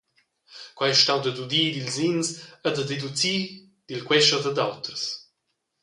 Quei ei stau dad udir dils ins e da deducir dil quescher dad auters.